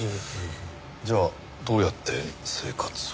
じゃあどうやって生活を？